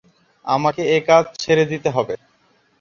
আমাকে একাজ ছেড়ে দিতে হবে।